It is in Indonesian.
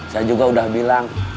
saya juga udah bilang